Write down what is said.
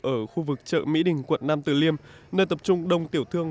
ở khu vực chợ mỹ đình quận nam tử liêm nơi tập trung đông tiểu thương